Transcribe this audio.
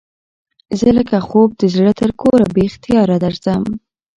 زه لکه خوب د زړه تر کوره بې اختیاره درځم